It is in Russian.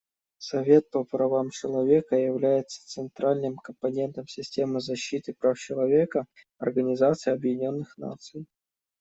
Совет по правам человека является центральным компонентом системы защиты прав человека Организации Объединенных Наций.